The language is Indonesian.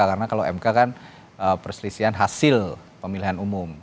karena kalau mk kan perselisihan hasil pemilihan umum